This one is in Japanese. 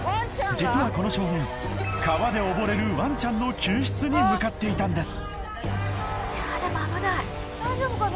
実はこの少年川で溺れるワンちゃんの救出に向かっていたんです